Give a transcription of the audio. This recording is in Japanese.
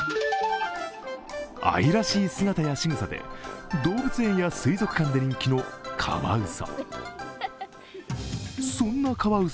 愛らしい姿やしぐさで動物園や水族館で人気のカワウソ。